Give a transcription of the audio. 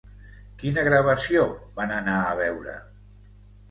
Quina gravació van anar a veure?